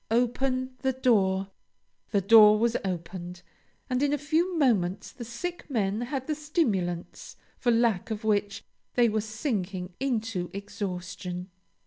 Open the door!" The door was opened, and in a few moments the sick men had the stimulants for lack of which they were sinking into exhaustion.